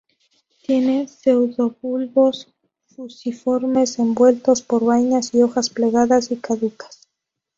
Tiene pseudobulbos fusiformes envueltos por vainas y hojas plegadas y caducas.